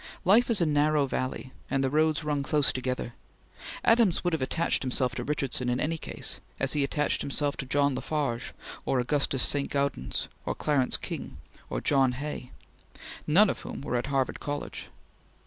Life is a narrow valley, and the roads run close together. Adams would have attached himself to Richardson in any case, as he attached himself to John LaFarge or Augustus St. Gaudens or Clarence King or John Hay, none of whom were at Harvard College.